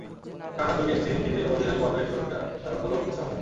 টানা দুই test series জিতে অধিনায়ক-পর্বের শুরুটা দারুণ হলো হাশিম আমলার।